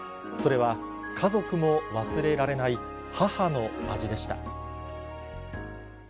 それは家族も忘れられない母の味でした。